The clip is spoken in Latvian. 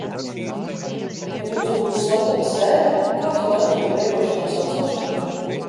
Ja mums būtu slepena sēde, kā tu lemtu par vienošanās atcelšanu?